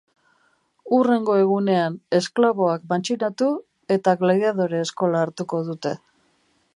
Hurrengo egunean esklaboak matxinatu eta gladiadore eskola hartuko dute.